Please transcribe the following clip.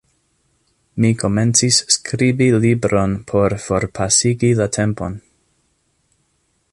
Mi komencis skribi libron por forpasigi la tempon.